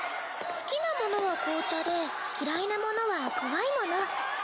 好きなものは紅茶で嫌いなものは怖いもの。